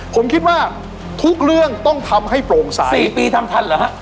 ผมคิดว่าทุกเรื่องต้องทำให้โปร่งใส๔ปีทำทันเหรอฮะ